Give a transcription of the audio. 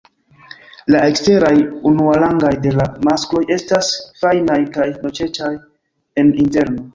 La eksteraj unuarangaj de la maskloj estas fajnaj kaj noĉecaj en interno.